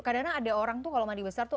karena ada orang tuh kalau mandi besar tuh